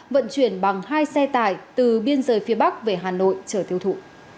vận chuyển bằng hai xe tải từ biên giới phía bắc về hà nội chở tiêu thụ